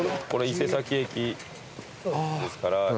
これ伊勢崎駅行きですから。